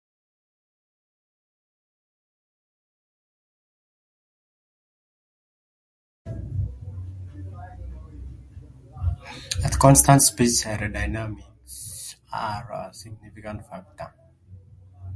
At constant speed, aerodynamics are a significant factor.